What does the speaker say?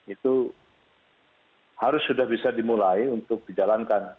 itu harus sudah bisa dimulai untuk dijalankan